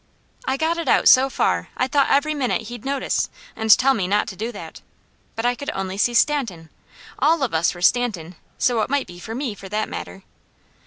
I got it out so far I thought every minute he'd notice, and tell me not to do that, but I could only see Stanton. All of us were Stanton, so it might be for me, for that matter.